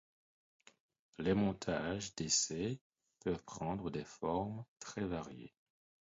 Les montages d'essai peuvent prendre des formes très variées.